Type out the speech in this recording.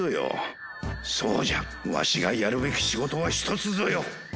そうじゃワシがやるべき仕事は一つぞよ。